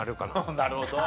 なるほど。